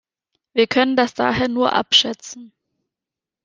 Wir können das daher nur abschätzen.